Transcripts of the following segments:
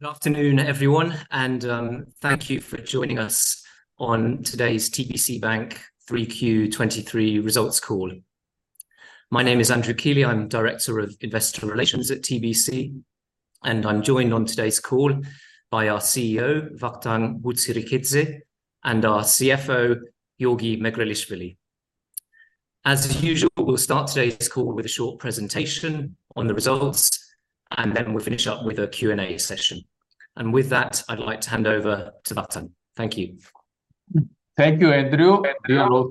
Good afternoon, everyone, and, thank you for joining us on today's TBC Bank 3Q23 results call. My name is Andrew Keeley. I'm Director of Investor Relations at TBC, and I'm joined on today's call by our CEO, Vakhtang Butskhrikidze, and our CFO, Giorgi Megrelishvili. As usual, we'll start today's call with a short presentation on the results, and then we'll finish up with a Q&A session. And with that, I'd like to hand over to Vakhtang. Thank you. Thank you, Andrew.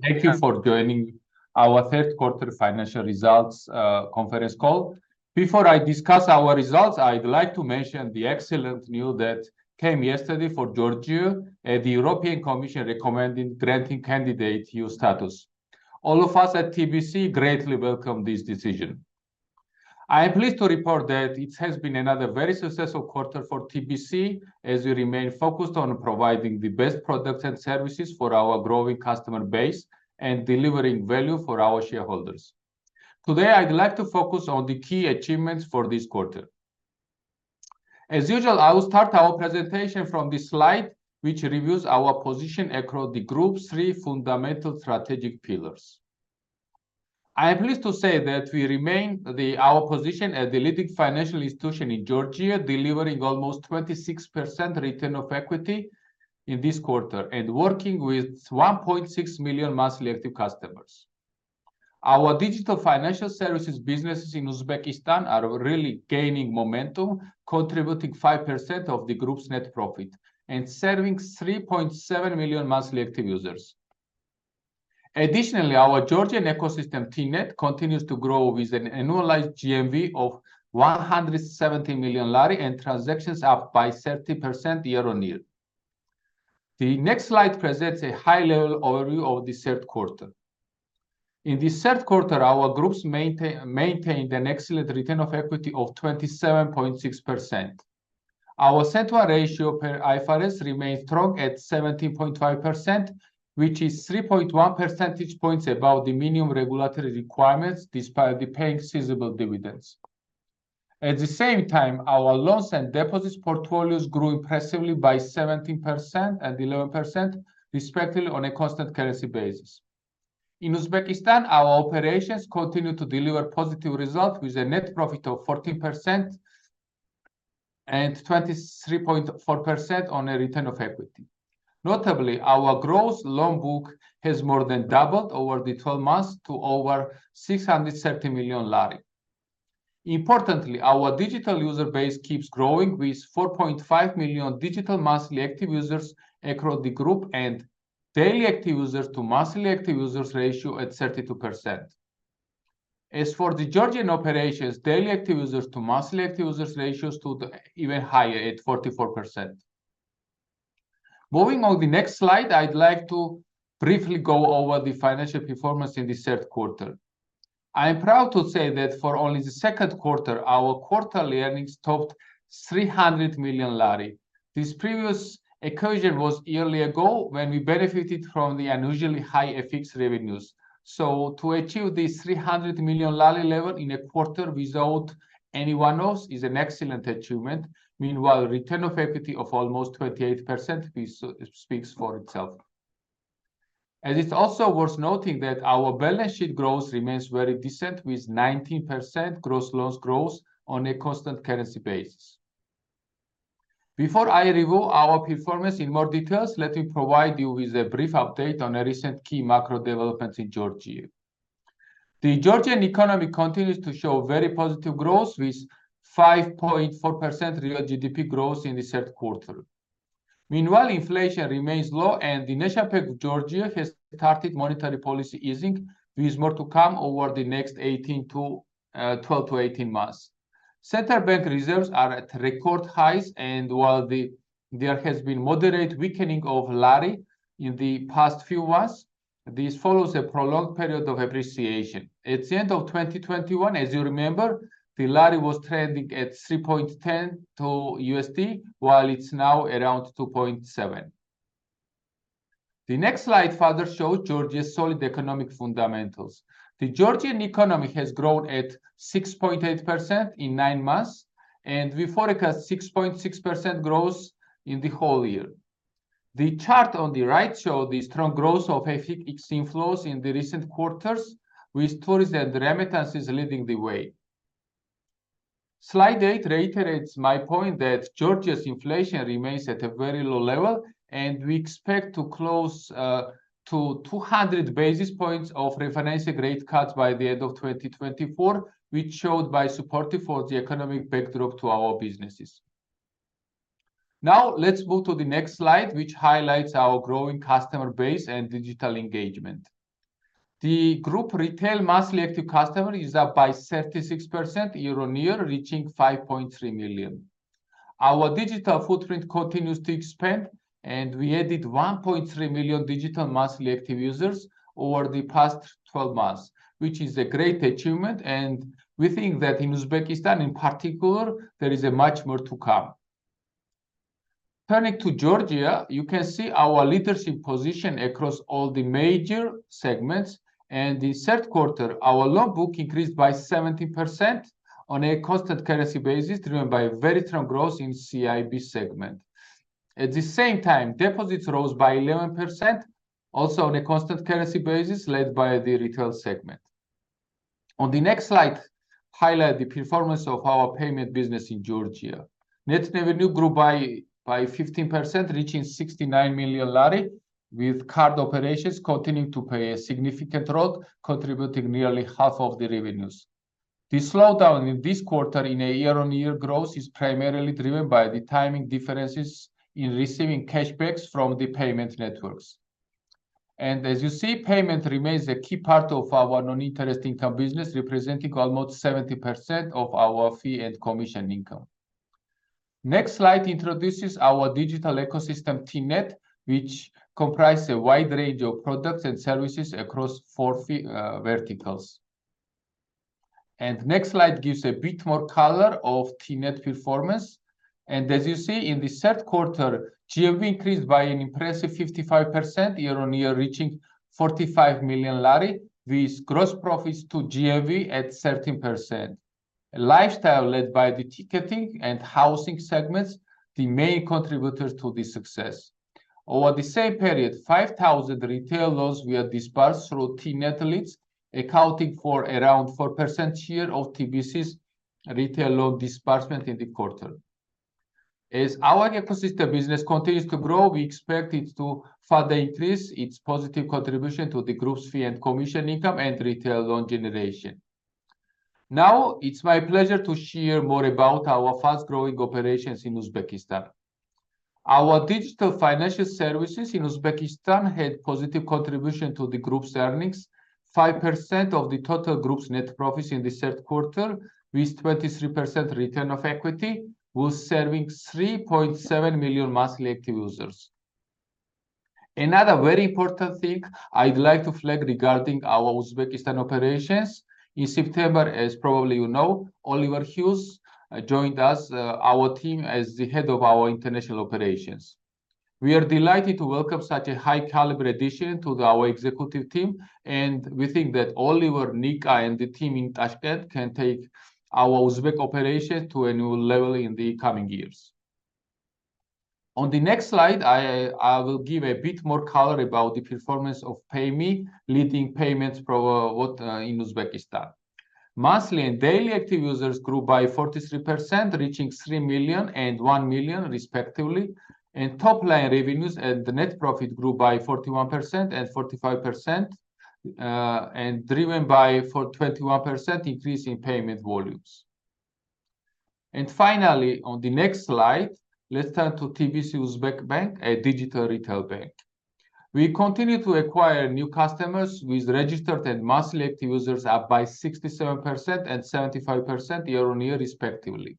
Thank you for joining our Third Quarter financial results conference call. Before I discuss our results, I'd like to mention the excellent news that came yesterday for Georgia at the European Commission recommending granting candidate EU status. All of us at TBC greatly welcome this decision. I am pleased to report that it has been another very successful quarter for TBC, as we remain focused on providing the best products and services for our growing customer base and delivering value for our shareholders. Today, I'd like to focus on the key achievements for this quarter. As usual, I will start our presentation from this slide, which reviews our position across the group's three fundamental strategic pillars. I am pleased to say that we remain our position as the leading financial institution in Georgia, delivering almost 26% return on equity in this quarter and working with 1.6 million monthly active customers. Our digital financial services businesses in Uzbekistan are really gaining momentum, contributing 5% of the group's net profit and serving 3.7 million monthly active users. Additionally, our Georgian ecosystem, TNET, continues to grow with an annualized GMV of GEL 170 million, and transactions are up by 30% year-on-year. The next slide presents a high-level overview of the third quarter. In the third quarter, our group maintained an excellent return on equity of 27.6%. Our CET1 ratio per IFRS remains strong at 17.5%, which is 3.1 percentage points above the minimum regulatory requirements, despite paying sizable dividends. At the same time, our loans and deposits portfolios grew impressively by 17% and 11%, respectively, on a constant currency basis. In Uzbekistan, our operations continued to deliver positive results, with a net profit of 14% and 23.4% on a return on equity. Notably, our gross loan book has more than doubled over the 12 months to over GEL 630 million. Importantly, our digital user base keeps growing, with 4.5 million digital monthly active users across the group and daily active users to monthly active users ratio at 32%. As for the Georgian operations, daily active users to monthly active users ratios stood even higher at 44%. Moving on the next slide, I'd like to briefly go over the financial performance in the third quarter. I am proud to say that for only the second quarter, our quarterly earnings topped GEL 300 million. This previous occasion was a year ago when we benefited from the unusually high FX revenues, so to achieve this GEL 300 million level in a quarter without any FX is an excellent achievement. Meanwhile, return on equity of almost 28% speaks for itself. It's also worth noting that our balance sheet growth remains very decent, with 19% gross loans growth on a constant currency basis. Before I review our performance in more details, let me provide you with a brief update on a recent key macro development in Georgia. The Georgian economy continues to show very positive growth, with 5.4% real GDP growth in the third quarter. Meanwhile, inflation remains low, and the National Bank of Georgia has started monetary policy easing, with more to come over the next 12-18 months. Central bank reserves are at record highs, and while there has been moderate weakening of lari in the past few months, this follows a prolonged period of appreciation. At the end of 2021, as you remember, the lari was trending at 3.10 to USD, while it's now around 2.7. The next slide further shows Georgia's solid economic fundamentals. The Georgian economy has grown at 6.8% in nine months, and we forecast 6.6% growth in the whole year. The chart on the right shows the strong growth of FX inflows in the recent quarters, with tourism and remittances leading the way. Slide eight reiterates my point that Georgia's inflation remains at a very low level, and we expect to close to 200 basis points of refinancing rate cuts by the end of 2024, which showed by supportive for the economic backdrop to our businesses. Now, let's move to the next slide, which highlights our growing customer base and digital engagement. The group retail monthly active customer is up by 36% year-on-year, reaching 5.3 million. Our digital footprint continues to expand, and we added 1.3 million digital monthly active users over the past 12 months, which is a great achievement, and we think that in Uzbekistan, in particular, there is a much more to come.... Turning to Georgia, you can see our leadership position across all the major segments. And the third quarter, our loan book increased by 70% on a constant currency basis, driven by very strong growth in CIB segment. At the same time, deposits rose by 11%, also on a constant currency basis, led by the retail segment. On the next slide, highlight the performance of our payment business in Georgia. Net revenue grew by 15%, reaching GEL 69 million, with card operations continuing to play a significant role, contributing nearly half of the revenues. The slowdown in this quarter in a year-on-year growth is primarily driven by the timing differences in receiving cashbacks from the payment networks. And as you see, payment remains a key part of our non-interest income business, representing almost 70% of our fee and commission income. Next slide introduces our digital ecosystem, TNET, which comprise a wide range of products and services across four fee verticals. Next slide gives a bit more color of TNET performance. As you see, in the third quarter, GMV increased by an impressive 55% year-on-year, reaching GEL 45 million, with gross profits to GMV at 13%. Lifestyle, led by the ticketing and housing segments, the main contributors to this success. Over the same period, 5,000 retail loans were disbursed through TNET leads, accounting for around 4% share of TBC's retail loan disbursement in the quarter. As our ecosystem business continues to grow, we expect it to further increase its positive contribution to the group's fee and commission income and retail loan generation. Now, it's my pleasure to share more about our fast-growing operations in Uzbekistan. Our digital financial services in Uzbekistan had positive contribution to the group's earnings. 5% of the total group's net profits in the third quarter, with 23% return of equity, was serving 3.7 million monthly active users. Another very important thing I'd like to flag regarding our Uzbekistan operations, in September, as probably you know, Oliver Hughes joined us, our team, as the Head of our International Operations. We are delighted to welcome such a high-caliber addition to our executive team, and we think that Oliver, Nika, and the team in Tashkent can take our Uzbek operations to a new level in the coming years. On the next slide, I will give a bit more color about the performance of Payme, leading payments provider, in Uzbekistan. Monthly and daily active users grew by 43%, reaching 3 million and 1 million respectively, and top-line revenues and the net profit grew by 41% and 45%, and driven by for 21% increase in payment volumes. Finally, on the next slide, let's turn to TBC Uzbekistan, a digital retail bank. We continue to acquire new customers with registered and monthly active users, up by 67% and 75% year-on-year respectively.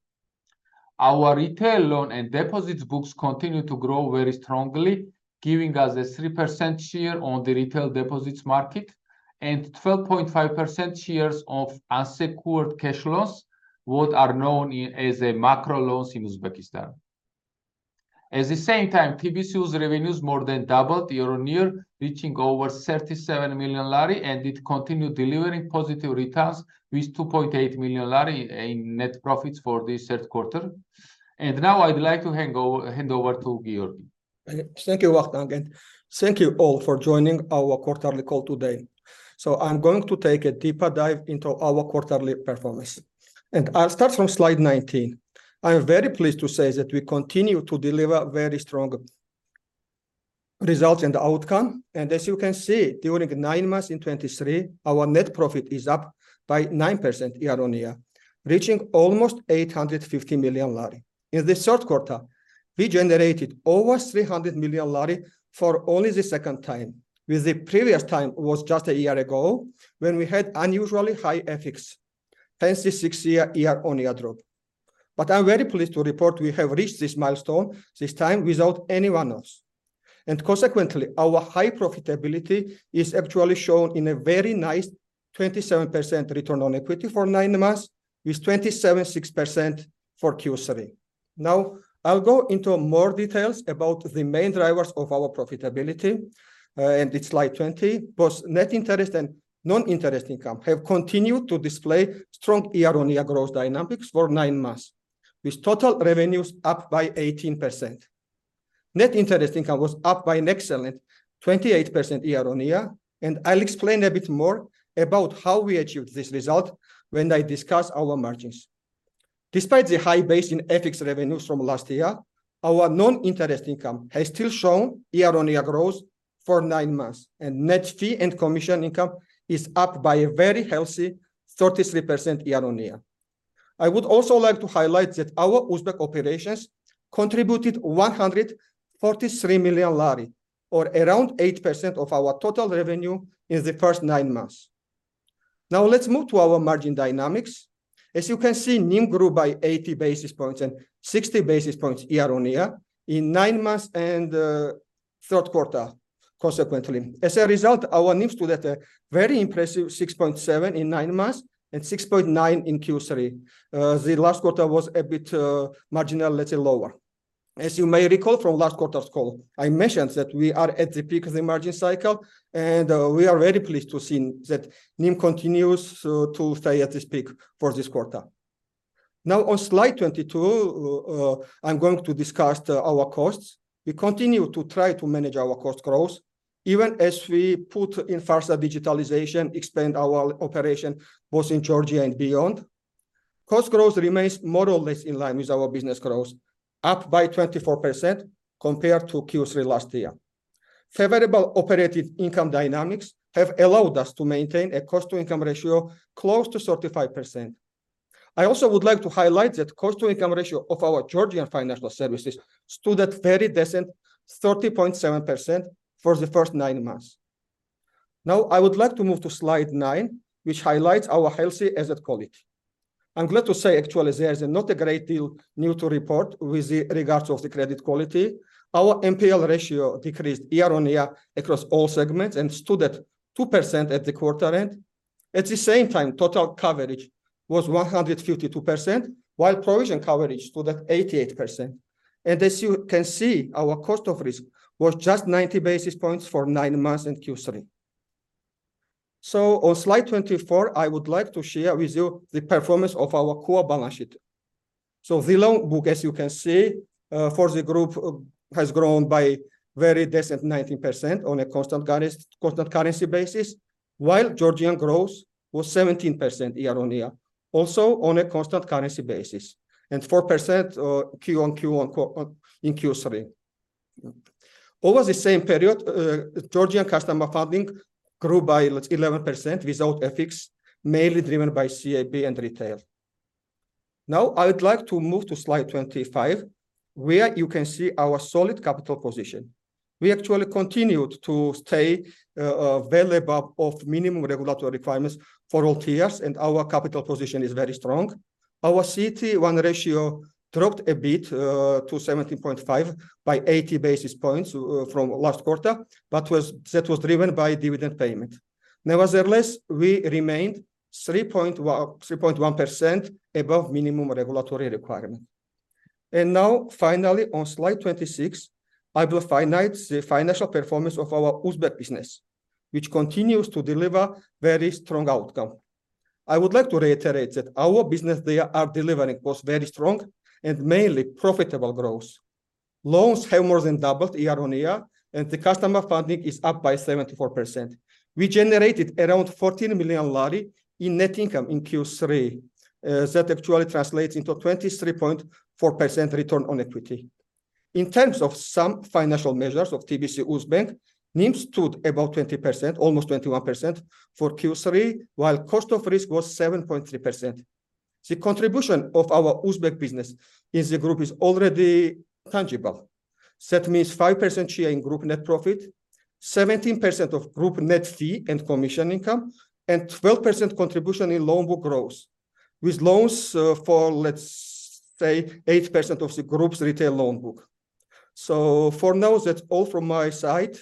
Our retail loan and deposits books continue to grow very strongly, giving us a 3% share on the retail deposits market and 12.5% shares of unsecured cash loans, what are known as micro loans in Uzbekistan. At the same time, TBC's revenues more than doubled year-on-year, reaching over GEL 37 million, and it continued delivering positive returns, with GEL 2.8 million in net profits for this third quarter. And now I'd like to hand over to Giorgi. Thank you, Vakhtang, and thank you all for joining our quarterly call today. I'm going to take a deeper dive into our quarterly performance, and I'll start from slide 19. I am very pleased to say that we continue to deliver very strong results and outcome, and as you can see, during nine months in 2023, our net profit is up by 9% year-on-year, reaching almost GEL 850 million. In the third quarter, we generated over GEL 300 million for only the second time, with the previous time was just a year ago, when we had unusually high FX, hence the 6% year-on-year drop. But I'm very pleased to report we have reached this milestone this time without any one-offs, and consequently, our high profitability is actually shown in a very nice 27% return on equity for nine months, with 27.6% for Q3. Now, I'll go into more details about the main drivers of our profitability, and it's slide 20. Both net interest and non-interest income have continued to display strong year-on-year growth dynamics for nine months, with total revenues up by 18%. Net interest income was up by an excellent 28% year-on-year, and I'll explain a bit more about how we achieved this result when I discuss our margins. Despite the high base in FX revenues from last year, our non-interest income has still shown year-on-year growth for nine months, and net fee and commission income is up by a very healthy 33% year-on-year. I would also like to highlight that our Uzbek operations contributed GEL 143 million, or around 8% of our total revenue, in the first nine months. Now, let's move to our margin dynamics. As you can see, NIM grew by 80 basis points and 60 basis points year-on-year in nine months and third quarter. Consequently, as a result, our NIMs stood at a very impressive 6.7 in nine months and 6.9 in Q3. The last quarter was a bit marginal, let's say, lower. As you may recall from last quarter's call, I mentioned that we are at the peak of the margin cycle, and we are very pleased to see that NIM continues to stay at this peak for this quarter. Now, on slide 22, I'm going to discuss the our costs. We continue to try to manage our cost growth even as we put in faster digitalization, expand our operation, both in Georgia and beyond. Cost growth remains more or less in line with our business growth, up by 24% compared to Q3 last year. Favorable operating income dynamics have allowed us to maintain a cost-to-income ratio close to 35%. I also would like to highlight that cost-to-income ratio of our Georgian financial services stood at very decent 30.7% for the first nine months. Now, I would like to move to slide nine, which highlights our healthy asset quality. I'm glad to say actually there is not a great deal new to report with regard to the credit quality. Our NPL ratio decreased year-on-year across all segments and stood at 2% at the quarter end. At the same time, total coverage was 152%, while provision coverage stood at 88%. As you can see, our cost of risk was just 90 basis points for nine months in Q3. On slide 24, I would like to share with you the performance of our core balance sheet. The loan book, as you can see, for the group, has grown by very decent 19% on a constant currency basis, while Georgian growth was 17% year-on-year, also on a constant currency basis, and 4%, QoQ, in Q3. Over the same period, Georgian customer funding grew by, let's, 11% without FX, mainly driven by CIB and retail. Now, I would like to move to slide 25, where you can see our solid capital position. We actually continued to stay well above minimum regulatory requirements for all tiers, and our capital position is very strong. Our CET1 ratio dropped a bit to 17.5 by 80 basis points from last quarter, but was... That was driven by dividend payment. Nevertheless, we remained 3.1% above minimum regulatory requirement. Now, finally, on slide 26, I will highlight the financial performance of our Uzbek business, which continues to deliver very strong outcome. I would like to reiterate that our business there are delivering both very strong and mainly profitable growth. Loans have more than doubled year-on-year, and the customer funding is up by 74%. We generated around GEL 14 million in net income in Q3. That actually translates into 23.4% return on equity. In terms of some financial measures of TBC Uzbekistan, NIM stood above 20%, almost 21% for Q3, while cost of risk was 7.3%. The contribution of our Uzbek business in the group is already tangible. That means 5% share in group net profit, 17% of group net fee and commission income, and 12% contribution in loan book growth, with loans for, let's say, 8% of the group's retail loan book. For now, that's all from my side.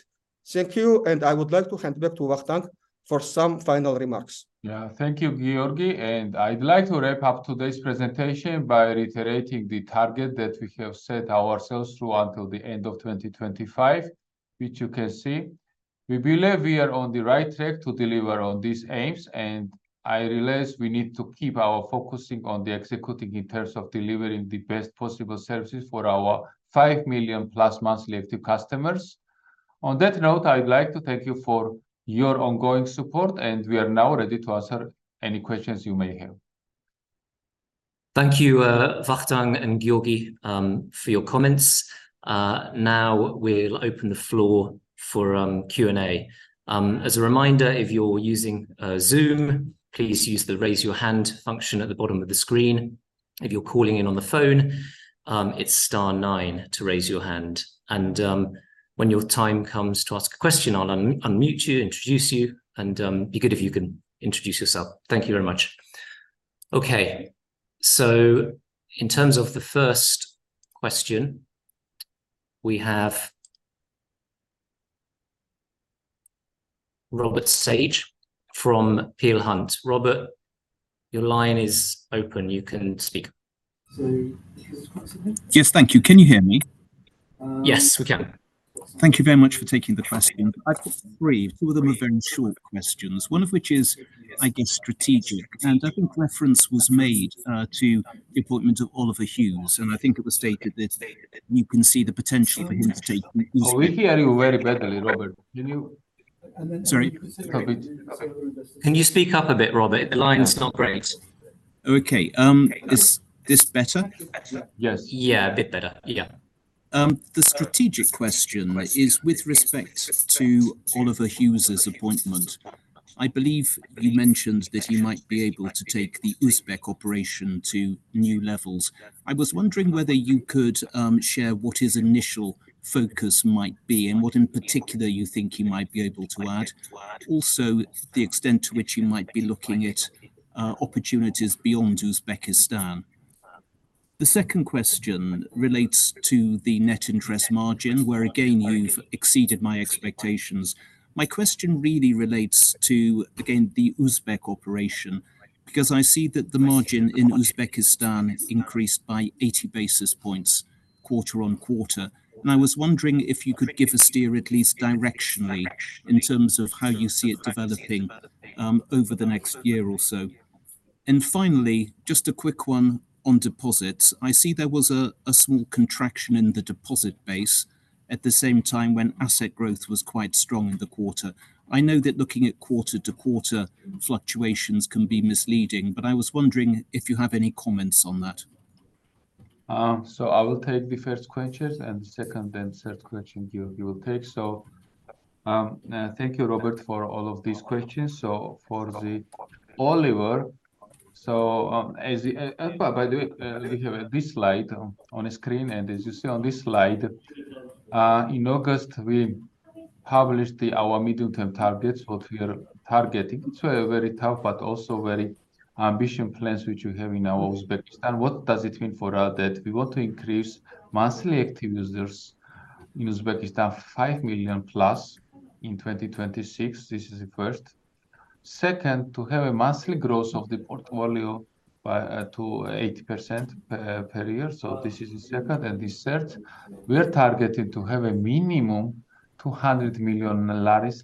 Thank you, and I would like to hand back to Vakhtang for some final remarks. Yeah. Thank you, Giorgi, and I'd like to wrap up today's presentation by reiterating the target that we have set ourselves through until the end of 2025, which you can see. We believe we are on the right track to deliver on these aims, and I realize we need to keep our focusing on the executing in terms of delivering the best possible services for our 5 million+ monthly active customers. On that note, I'd like to thank you for your ongoing support, and we are now ready to answer any questions you may have. Thank you, Vakhtang and Giorgi, for your comments. Now we'll open the floor for Q&A. As a reminder, if you're using Zoom, please use the raise your hand function at the bottom of the screen. If you're calling in on the phone, it's star nine to raise your hand. And when your time comes to ask a question, I'll unmute you, introduce you, and be good if you can introduce yourself. Thank you very much. Okay, so in terms of the first question, we have Robert Sage from Peel Hunt. Robert, your line is open. You can speak. So... Yes, thank you. Can you hear me? Yes, we can. Thank you very much for taking the question. I've got three, two of them are very short questions, one of which is, I guess, strategic. And I think reference was made to the appointment of Oliver Hughes, and I think it was stated that you can see the potential for him to take- We hear you very badly, Robert. Can you- Sorry? Repeat. Can you speak up a bit, Robert? The line's not great. Okay, is this better? Yes. Yeah, a bit better. Yeah. The strategic question is with respect to Oliver Hughes's appointment. I believe you mentioned that you might be able to take the Uzbek operation to new levels. I was wondering whether you could share what his initial focus might be and what, in particular, you think he might be able to add. Also, the extent to which you might be looking at opportunities beyond Uzbekistan. The second question relates to the net interest margin, where again, you've exceeded my expectations. My question really relates to, again, the Uzbek operation, because I see that the margin in Uzbekistan increased by 80 basis points quarter-on-quarter, and I was wondering if you could give a steer, at least directionally, in terms of how you see it developing over the next year or so. And finally, just a quick one on deposits. I see there was a small contraction in the deposit base at the same time when asset growth was quite strong in the quarter. I know that looking at quarter-to-quarter fluctuations can be misleading, but I was wondering if you have any comments on that? So I will take the first question, and second then third question, you will take. So, thank you, Robert, for all of these questions. So for the Oliver, so, by the way, we have this slide on the screen, and as you see on this slide, in August, we published our medium-term targets, what we are targeting. It's a very tough but also very ambitious plans which we have in our Uzbekistan. What does it mean for us? That we want to increase monthly active users in Uzbekistan, 5 million + in 2026. This is the first. Second, to have a monthly growth of the portfolio by to 80% per year. So this is the second and the third. We are targeting to have a minimum GEL 200 million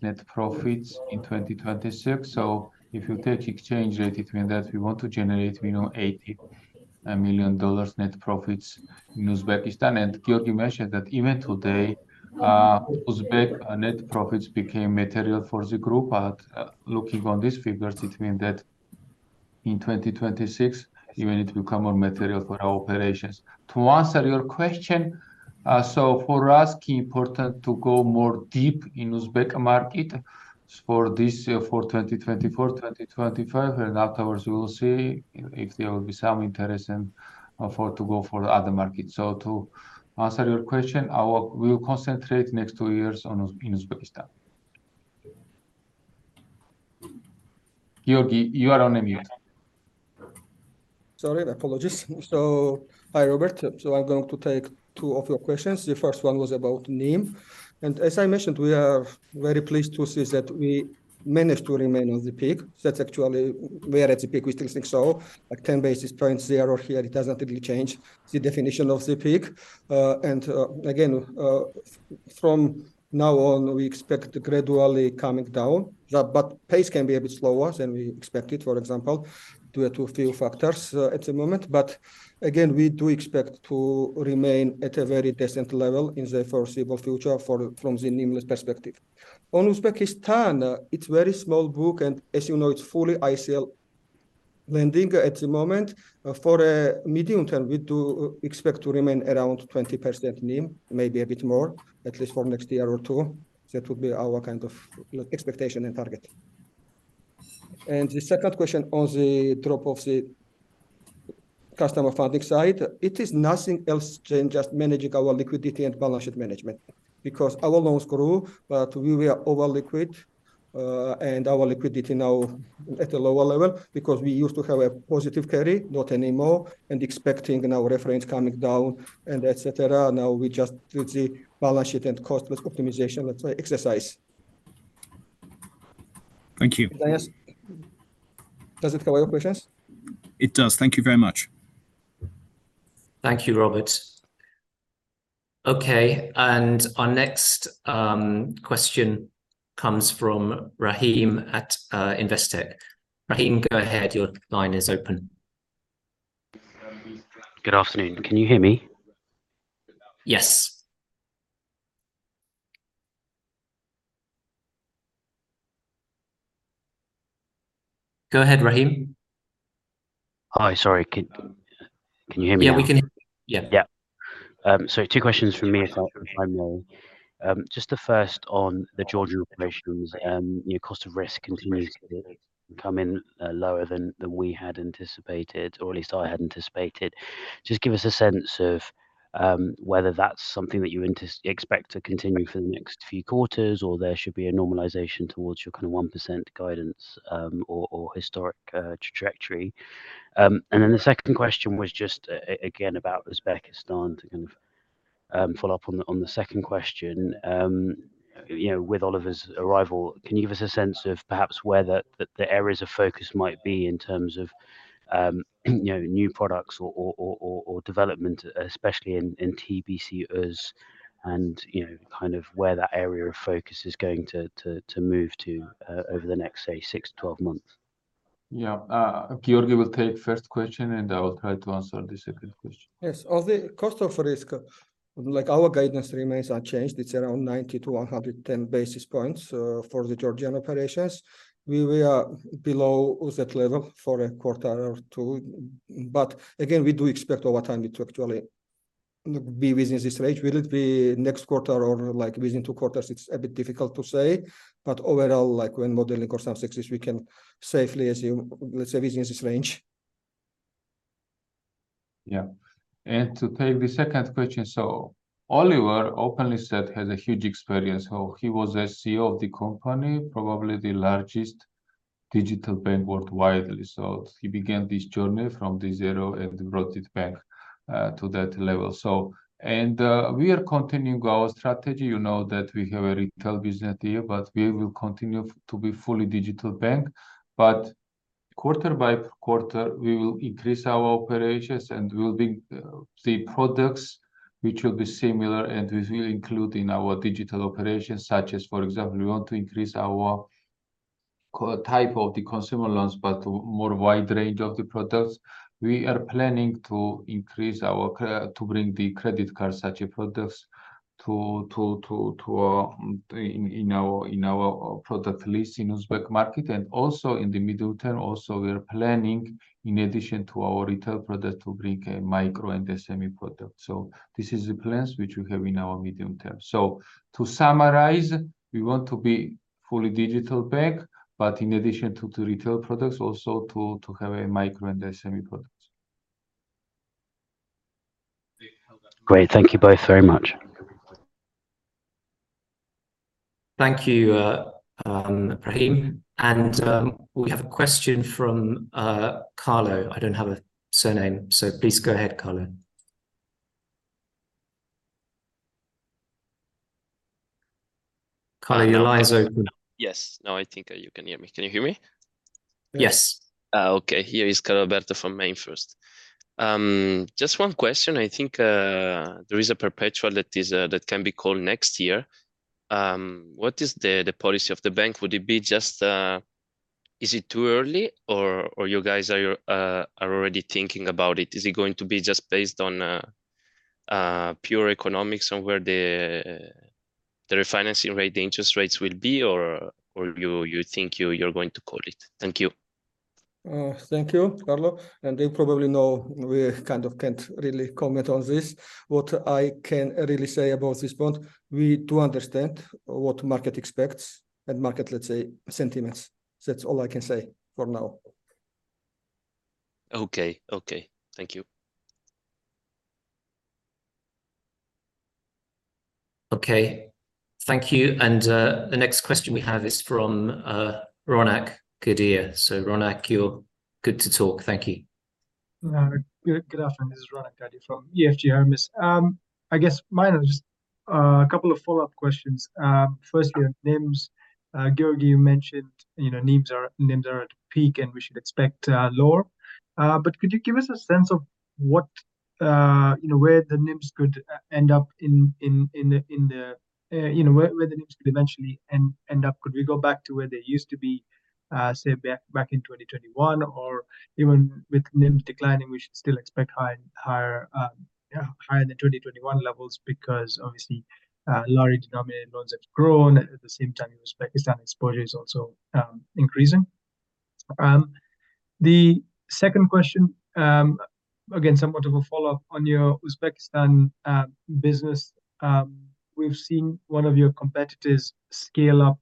net profits in 2026. So if you take exchange rate, it mean that we want to generate, you know, $80 million net profits in Uzbekistan. And Giorgi mentioned that even today, Uzbek net profits became material for the group, but, looking on these figures, it mean that in 2026, even it will become more material for our operations. To answer your question, so for us, key important to go more deep in Uzbek market for this year, for 2024, 2025, and afterwards, we will see if there will be some interest and for to go for the other market. So to answer your question, our... We will concentrate next two years on Uzbekistan. Giorgi, you are on mute. Sorry, apologies. So hi, Robert. So I'm going to take two of your questions. The first one was about NIM, and as I mentioned, we are very pleased to see that we managed to remain on the peak. That's actually we are at the peak, we think so, like 10 basis points there or here, it doesn't really change the definition of the peak. And again, from now on, we expect gradually coming down, but pace can be a bit slower than we expected, for example, due to a few factors at the moment. But again, we do expect to remain at a very decent level in the foreseeable future from the NIM perspective. On Uzbekistan, it's very small book, and as you know, it's fully ICL lending at the moment. For medium term, we do expect to remain around 20% NIM, maybe a bit more, at least for next year or two. That would be our kind of expectation and target. The second question on the drop of the customer funding side, it is nothing else than just managing our liquidity and balance sheet management, because our loans grew, but we were over-liquid, and our liquidity now at a lower level, because we used to have a positive carry, not anymore, and expecting our reference coming down and et cetera. Now, we just do the balance sheet and cost optimization, let's say, exercise. Thank you. Does it cover your questions? It does. Thank you very much. Thank you, Robert. Okay, and our next question comes from Rahim at Investec. Rahim, go ahead. Your line is open. Good afternoon. Can you hear me? Yes. Go ahead, Rahim. Hi. Sorry, can you hear me now? Yeah, we can hear. Yeah. Yeah. So two questions from me, if that's fine. Just the first on the Georgian operations, your cost of risk continues to come in lower than we had anticipated, or at least I had anticipated. Just give us a sense of whether that's something that you expect to continue for the next few quarters, or there should be a normalization towards your kind of 1% guidance, or historic trajectory. And then the second question was just again about Uzbekistan, to kind of follow up on the second question. You know, with Oliver's arrival, can you give us a sense of perhaps where the areas of focus might be in terms of, you know, new products or development, especially in TBC UZ, and, you know, kind of where that area of focus is going to move to, over the next, say, six-12 months? Yeah. Giorgi will take first question, and I will try to answer the second question. Yes. On the cost of risk, like, our guidance remains unchanged. It's around 90 basis points-110 basis points for the Georgian operations. We were below that level for a quarter or two, but again, we do expect over time it to actually be within this range. Will it be next quarter or, like, within two quarters? It's a bit difficult to say, but overall, like, when modeling cost of risk, we can safely assume, let's say, within this range. Yeah. To take the second question: so Oliver openly said he has a huge experience. So he was a CEO of the company, probably the largest digital bank worldwide. So he began this journey from the zero and brought it back to that level. So we are continuing our strategy. You know that we have a retail business here, but we will continue to be fully digital bank. But quarter-by-quarter, we will increase our operations, and we will bring the products which will be similar and which will include in our digital operations, such as, for example, we want to increase our type of the consumer loans, but more wide range of the products. We are planning to bring the credit card such products to our product list in the Uzbek market. And also in the medium term, we are planning, in addition to our retail product, to bring a micro and SME product. So this is the plans which we have in our medium term. So to summarize, we want to be a fully digital bank, but in addition to retail products, also to have micro and SME products. Great. Thank you both very much. Thank you, Rahim. And we have a question from Carlo. I don't have a surname, so please go ahead, Carlo. Carlo, your line is open. Yes. Now I think you can hear me. Can you hear me? Yes. Okay. Here is Carlo Berta from MainFirst. Just one question. I think, there is a perpetual that is, that can be called next year. What is the, the policy of the bank? Would it be just... Is it too early or, or you guys are, are already thinking about it? Is it going to be just based on, pure economics and where the, the refinancing rate, the interest rates will be, or, or you, you think you, you're going to call it? Thank you. Thank you, Carlo. You probably know we kind of can't really comment on this. What I can really say about this point, we do understand what market expects and market, let's say, sentiments. That's all I can say for now. Okay. Okay, thank you. Okay, thank you. And, the next question we have is from, Ronak Gadhia. So Ronak, you're good to talk. Thank you. Good afternoon. This is Ronak Gadhia from EFG Hermes. I guess mine are just a couple of follow-up questions. Firstly on NIMS, Giorgi, you mentioned, you know, NIMS are at peak, and we should expect lower. But could you give us a sense of what, you know, where the NIMS could end up, you know, where the NIMS could eventually end up? Could we go back to where they used to be, say, back in 2021, or even with NIM declining, we should still expect higher than 2021 levels, because obviously, large denominated loans have grown, at the same time, Uzbekistan exposure is also increasing. The second question, again, somewhat of a follow-up on your Uzbekistan business. We've seen one of your competitors scale up,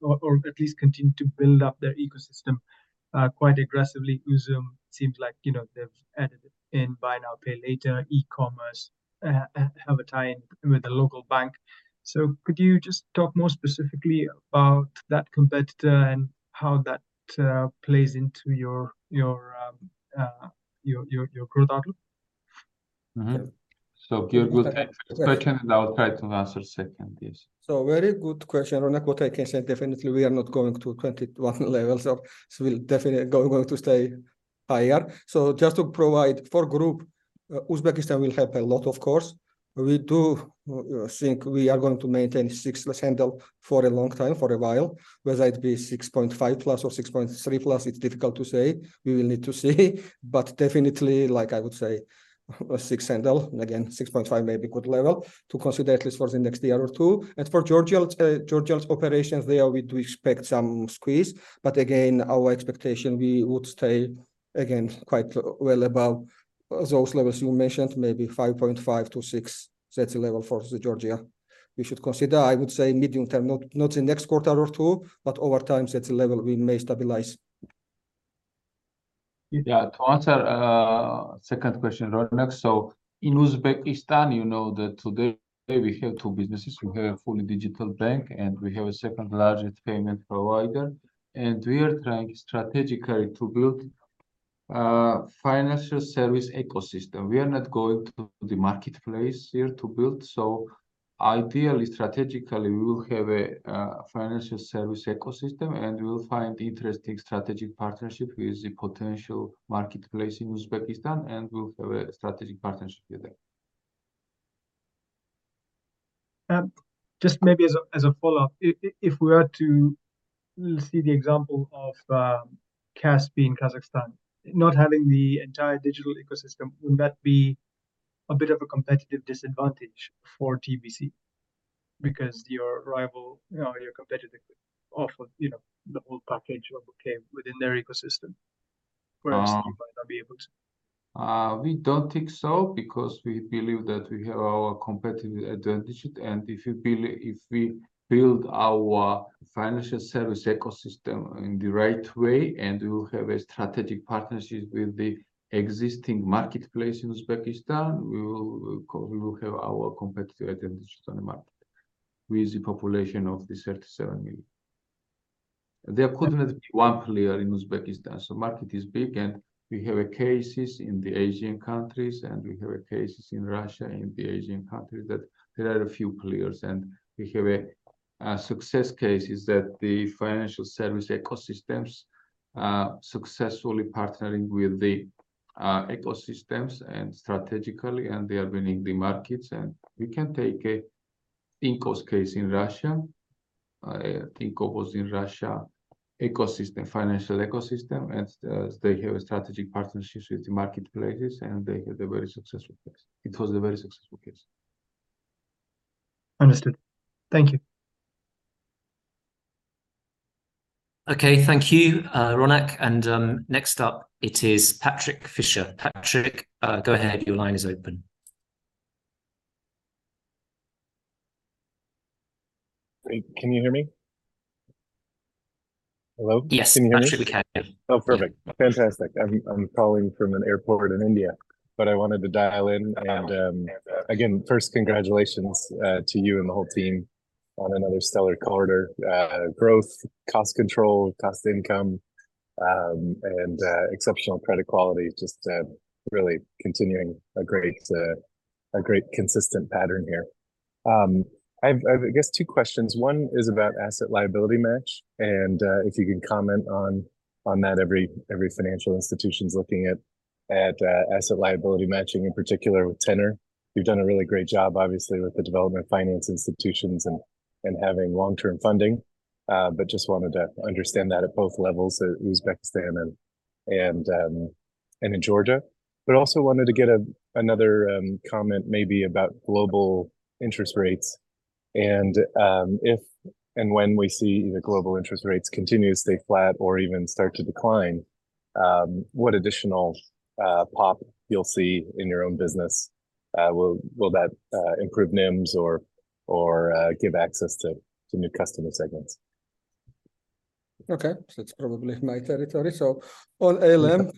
or at least continue to build up their ecosystem, quite aggressively. Uzum seems like, you know, they've added in buy now, pay later, e-commerce, have a tie-in with a local bank. So could you just talk more specifically about that competitor and how that plays into your growth outlook? Giorgi will answer the first question, and I will try to answer second, yes. Very good question, Ronak. What I can say, definitely we are not going to 2021 levels of... So we'll definitely going, going to stay higher. Just to provide for group, Uzbekistan will help a lot, of course. We do think we are going to maintain six handle for a long time, for a while. Whether it be 6.5+ or 6.3+, it's difficult to say. We will need to see. But definitely, like I would say, a six handle, again, 6.5 may be good level to consider, at least for the next year or two. And for Georgia, Georgia's operations, there we do expect some squeeze. But again, our expectation, we would stay, again, quite well above those levels you mentioned, maybe 5.5-6. That's the level for Georgia. We should consider, I would say, medium term, not the next quarter or two, but over time, that's the level we may stabilize. Yeah, to answer second question, Ronak. So in Uzbekistan, you know that today we have two businesses. We have a fully digital bank, and we have a second largest payment provider, and we are trying strategically to build a financial service ecosystem. We are not going to the marketplace here to build, so ideally, strategically, we will have a financial service ecosystem, and we will find interesting strategic partnership with the potential marketplace in Uzbekistan, and we'll have a strategic partnership with them. Just maybe as a follow-up, if we were to see the example of Kaspi in Kazakhstan, not having the entire digital ecosystem, would that be a bit of a competitive disadvantage for TBC? Because your rival, you know, your competitor could offer, you know, the whole package of okay within their ecosystem, whereas you might not be able to. We don't think so because we believe that we have our competitive advantage, and if we build our financial service ecosystem in the right way, and we will have a strategic partnership with the existing marketplace in Uzbekistan, we will, we will have our competitive advantage on the market with the population of 37 million. There could not be one player in Uzbekistan. So the market is big, and we have cases in the Asian countries, and we have cases in Russia, in the Asian countries, that there are a few players. And we have a success case is that the financial service ecosystems are successfully partnering with the ecosystems and strategically, and they are winning the markets. And we can take a Tinkoff case in Russia. I think it was in Russia ecosystem, financial ecosystem, and they have strategic partnerships with the marketplaces, and they had a very successful case. It was a very successful case. Understood. Thank you. Okay, thank you, Ronak. And, next up it is Patrick Fischer. Patrick, go ahead. Your line is open. Great. Can you hear me? Hello? Yes, actually, we can. Oh, perfect. Fantastic. I'm calling from an airport in India, but I wanted to dial in. Again, first, congratulations to you and the whole team on another stellar quarter. Growth, cost control, cost income, and exceptional credit quality, just really continuing a great consistent pattern here. I've I guess two questions. One is about asset liability match, and if you can comment on that. Every financial institution's looking at asset liability matching, in particular with tenor. You've done a really great job, obviously, with the development finance institutions and having long-term funding. But just wanted to understand that at both levels, at Uzbekistan and in Georgia. But also wanted to get another comment maybe about global interest rates and, if and when we see the global interest rates continue to stay flat or even start to decline, what additional pop you'll see in your own business? Will that improve NIMS or give access to new customer segments? Okay, so that's probably my territory. So on ALM,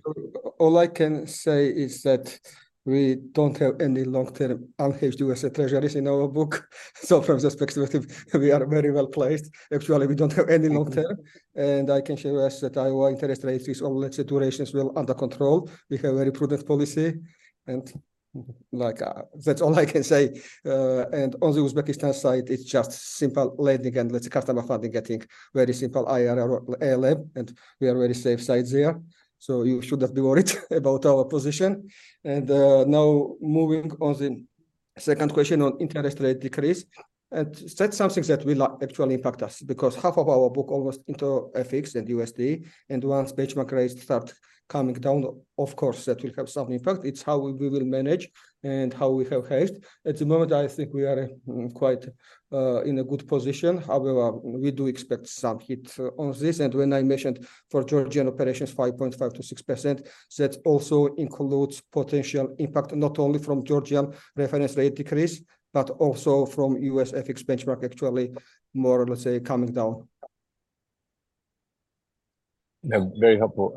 all I can say is that we don't have any long-term unhedged U.S. Treasuries in our book. So from that perspective, we are very well placed. Actually, we don't have any long-term, and I can assure us that our interest rates is all situations well under control. We have a very prudent policy, and like, that's all I can say. And on the Uzbekistan side, it's just simple lending, and the customer funding getting very simpleIRR, ALM, and we are very safe side there, so you shouldn't be worried about our position. And, now moving on the second question on interest rate decrease, and that's something that will not actually impact us, because half of our book almost into FX and USD, and once benchmark rates start coming down, of course, that will have some impact. It's how we will manage and how we have hedged. At the moment, I think we are in quite a good position. However, we do expect some hit on this, and when I mentioned for Georgian operations, 5.5%-6%, that also includes potential impact, not only from Georgian reference rate decrease, but also from U.S. FX benchmark, actually more, let's say, coming down. Yeah, very helpful.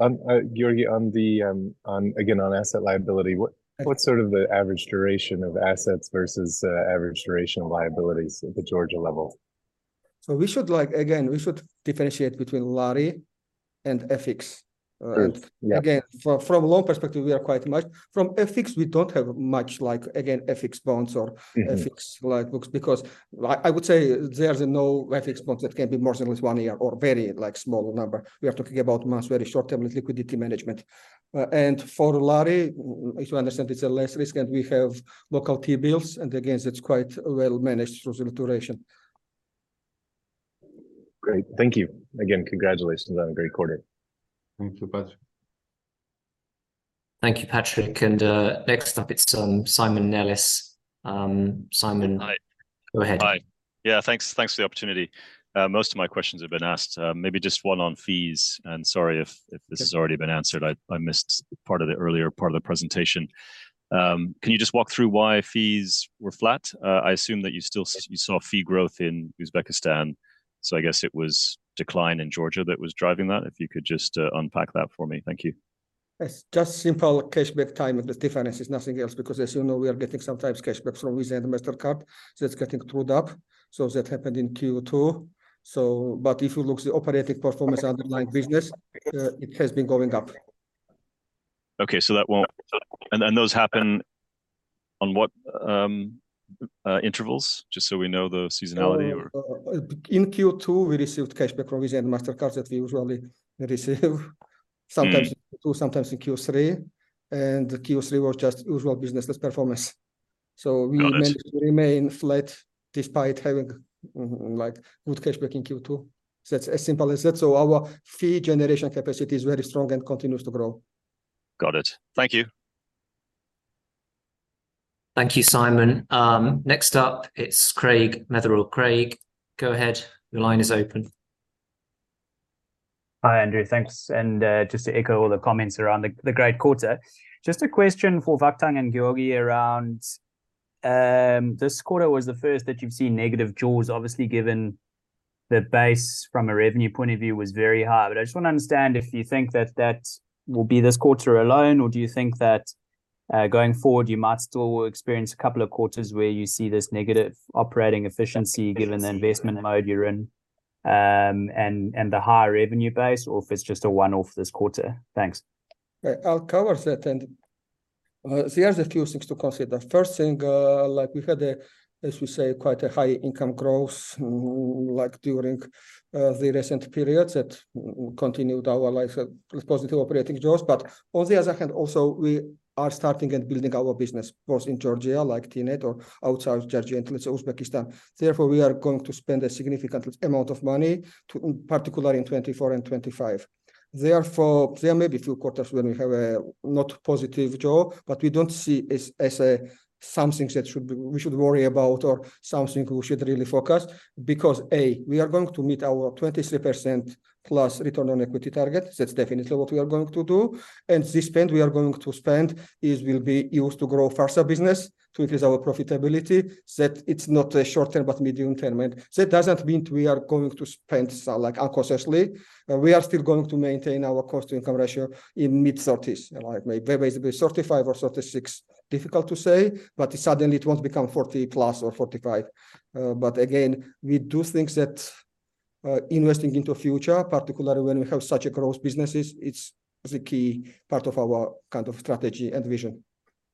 Giorgi, on asset liability, what- Yes... what's sort of the average duration of assets versus average duration of liabilities at the Georgia level? We should, like, again, we should differentiate between lari and FX. Right. Yeah. Again, from a loan perspective, we are quite much... From FX, we don't have much like, again, FX bonds or FX like books, because I, I would say there's no FX bonds that can be more than with one year or very like small number. We are talking about months, very short-term liquidity management. And for lari, as you understand, it's a less risk, and we have local T-bills, and again, it's quite well managed through the duration. Great. Thank you. Again, congratulations on a great quarter. Thank you, Patrick. Thank you, Patrick. Next up it's Simon Nellis. Simon- Hi. Go ahead. Hi. Yeah, thanks, thanks for the opportunity. Most of my questions have been asked. Maybe just one on fees, and sorry if this has already been answered. Sure. I missed part of the earlier part of the presentation. Can you just walk through why fees were flat? I assume that you still saw fee growth in Uzbekistan, so I guess it was decline in Georgia that was driving that. If you could just unpack that for me. Thank you. It's just simple cashback timing. The difference is nothing else, because as you know, we are getting sometimes cashback from Visa and Mastercard, so it's getting true up. So, but if you look the operating performance underlying business, it has been going up. Okay, so that won't... And those happen on what intervals? Just so we know the seasonality or- In Q2, we received cashback from Visa and Mastercard that we usually receive sometimes..in Q2, sometimes in Q3, and Q3 was just usual business as performance. Got it. So we remain flat despite having like good cashback in Q2. So it's as simple as that. So our fee generation capacity is very strong and continues to grow. Got it. Thank you. Thank you, Simon. Next up, it's Craig Metherell. Craig, go ahead. Your line is open. Hi, Andrew. Thanks, and just to echo all the comments around the great quarter. Just a question for Vakhtang and Giorgi around this quarter was the first that you've seen negative jaws, obviously, given the base from a revenue point of view was very high. But I just want to understand if you think that that will be this quarter alone, or do you think that going forward, you might still experience a couple of quarters where you see this negative operating efficiency. Efficiency. -given the investment mode you're in, and the higher revenue base, or if it's just a one-off this quarter? Thanks. I'll cover that, and there are a few things to consider. First thing, like we had, as we say, quite a high income growth, like during the recent periods that continued our like positive operating growth. But on the other hand, also, we are starting and building our business both in Georgia, like TNET or outside Georgia, into Uzbekistan. Therefore, we are going to spend a significant amount of money to, particularly in 2024 and 2025. Therefore, there may be a few quarters when we have a not positive growth, but we don't see it as a something that should be, we should worry about or something we should really focus. Because, A, we are going to meet our 23%+ return on equity target. That's definitely what we are going to do, and the spend we are going to spend is will be used to grow further business, to increase our profitability, that it's not a short term, but medium term. That doesn't mean we are going to spend so like cautiously. We are still going to maintain our cost-to-income ratio in mid-30s, like maybe basically 35 or 36. Difficult to say, but suddenly it won't become 40+ or 45. But again, we do think that investing into future, particularly when we have such a growth businesses, it's the key part of our kind of strategy and vision.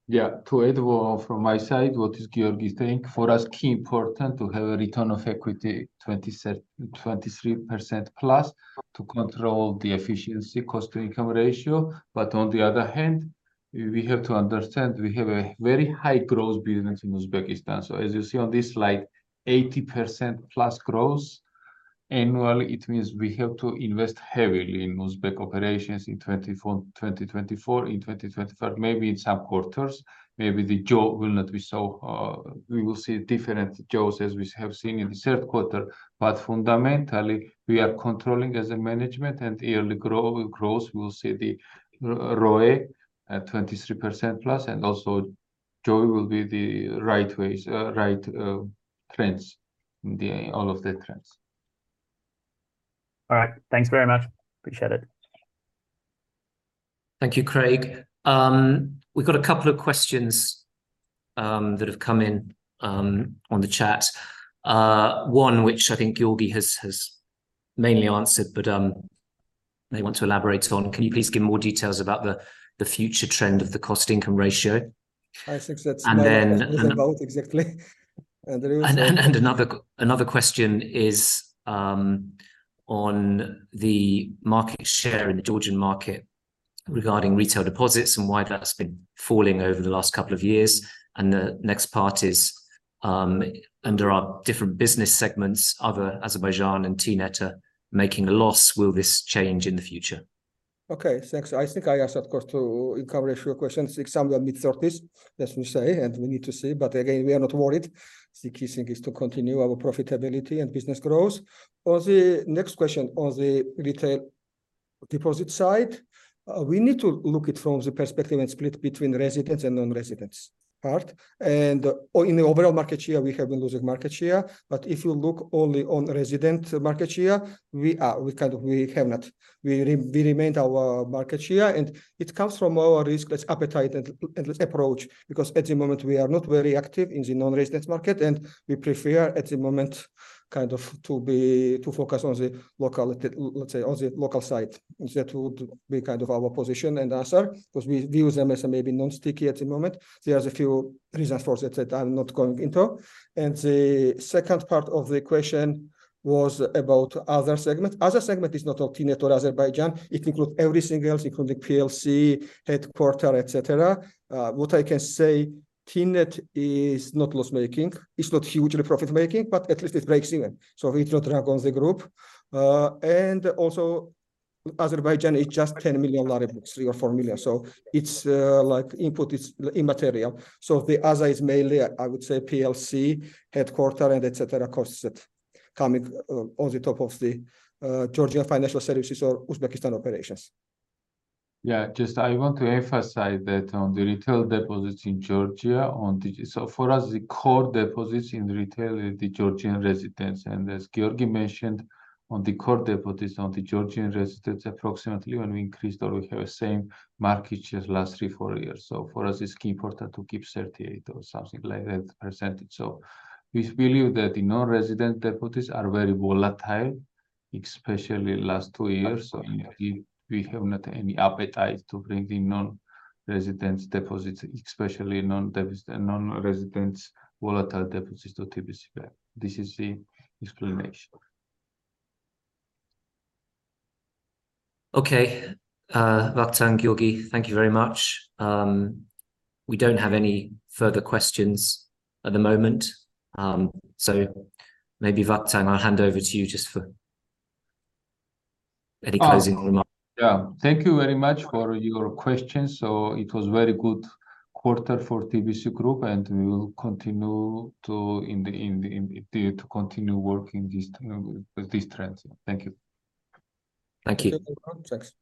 Yeah. To add more from my side, what is Giorgi saying, for us, key important to have a return on equity 23%+ to control the efficiency cost-to-income ratio. But on the other hand, we have to understand we have a very high growth business in Uzbekistan. So as you see on this slide, 80%+ growth annually, it means we have to invest heavily in Uzbek operations in 2024. In 2024, maybe in some quarters, maybe the jaws will not be so. We will see different jaws as we have seen in the third quarter. But fundamentally, we are controlling as a management and yearly growth, growth we will see the ROE at 23%+, and also jaws will be the right ways, right trends in all of the trends. All right. Thanks very much. Appreciate it. Thank you, Craig. We've got a couple of questions that have come in on the chat. One which I think Giorgi has mainly answered, but may want to elaborate on. Can you please give more details about the future trend of the cost-to-income ratio? I think that's- And then- About exactly. And there is- And another question is on the market share in the Georgian market regarding retail deposits and why that's been falling over the last couple of years. And the next part is, under our different business segments, other Azerbaijan and TNET are making a loss. Will this change in the future? Okay, thanks. I think I asked, of course, to cover a few questions. It's under mid-30s, as we say, and we need to see. But again, we are not worried. The key thing is to continue our profitability and business growth. On the next question, on the retail deposit side, we need to look at it from the perspective and split between residents and non-residents part, and, or in the overall market share, we have been losing market share. But if you look only on resident market share, we are, we kind of, we have not... We remained our market share, and it comes from our risk appetite and approach, because at the moment, we are not very active in the non-resident market, and we prefer at the moment, kind of to be to focus on the local, let's say, on the local side. That would be kind of our position and answer, because we view them as a maybe non-sticky at the moment. There are a few reasons for that, that I'm not going into. And the second part of the question was about other segment. Other segment is not TNET or Azerbaijan. It includes everything else, including PLC, headquarters, et cetera. What I can say, TNET is not loss-making. It's not hugely profit-making, but at least it breaks even, so it's not drag on the group. And also Azerbaijan is just GEL 10 million, GEL 3 million-GEL 4 million. So it's, like input is immaterial. So the other is mainly, I would say, PLC, headquarters, and et cetera, costs that coming on the top of the, Georgian financial services or Uzbekistan operations. Yeah, just I want to emphasize that on the retail deposits in Georgia on the... So for us, the core deposits in retail is the Georgian residents, and as Giorgi mentioned, on the core deposits, on the Georgian residents, approximately when we increased or we have the same market share last three, four years. So for us, it's key important to keep 38% or something like that. So we believe that the non-resident deposits are very volatile, especially last two years, so we, we have not any appetite to bring the non-residents deposits, especially non-retail non-residents volatile deposits to TBC Bank. This is the explanation. Okay. Vakhtang, Giorgi, thank you very much. We don't have any further questions at the moment. So maybe Vakhtang, I'll hand over to you just for any closing remarks. Yeah. Thank you very much for your questions. So it was very good quarter for TBC Group, and we will continue to work with these trends. Thank you. Thank you. Thanks.